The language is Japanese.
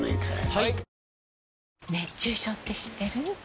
はい？